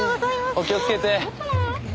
お気をつけて。